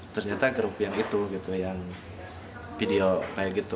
ternyata grup yang itu gitu yang video kayak gitu